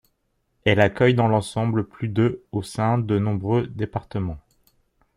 Elle accueille dans l'ensemble plus de au sein de nombreux départements.